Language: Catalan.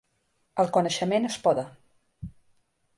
El coneixement és poder